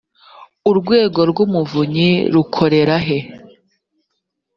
urwego rw umuvunyi rukorera he